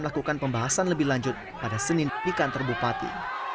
perlakukan pembahasan lebih lanjut pada senin pekan terbupati